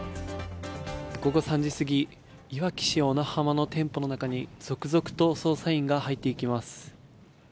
午後３時すぎ、いわき市小名浜の店舗の中に続々と捜査員が入っていきます。